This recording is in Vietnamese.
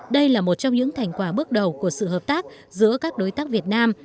đây là một trong những thành quả bước đầu của sự hợp tác giữa các đối tác việt nam